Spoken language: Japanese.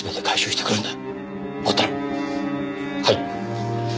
はい。